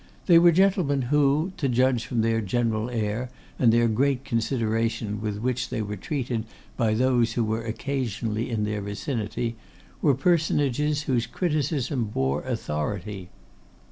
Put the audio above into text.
They were gentlemen who, to judge from their general air and the great consideration with which they were treated by those who were occasionally in their vicinity, were personages whose criticism bore authority.